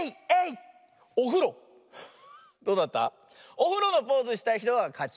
おふろのポーズしたひとがかち。